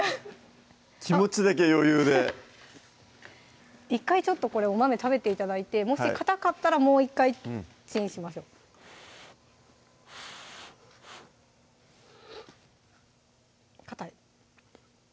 気持ちだけ余裕で１回ちょっとこれお豆食べて頂いてもしかたかったらもう１回チンしましょうふふかたい？